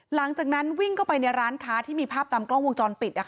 หลังจากนั้นวิ่งเข้าไปในร้านค้าที่มีภาพตามกล้องวงจรปิด